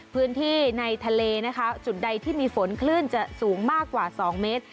พื้นที่ในทะเลนะคะจุดใดที่มีฝนคลื่นจะสูงมากกว่า๒เมตร